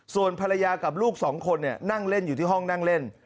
ส่วนภรรยากับลูกสองคนนั่งเล่นอยู่ที่ห้องนั่งเล่น